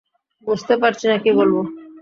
বুঝতে পারছি না কী বলবো।